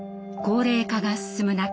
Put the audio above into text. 高齢化が進む中